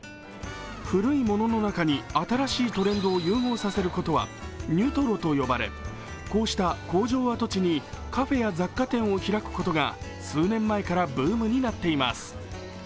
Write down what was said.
古いものの中に新しいトレンドを融合させることはニュトロと呼ばれこうした工場跡地にカフェや雑貨店を開くことが数年前からブームになっています。